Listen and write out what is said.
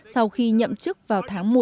sau khi nhậm chức vào tháng một